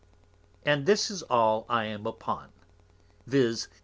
And this is all I am upon, _viz.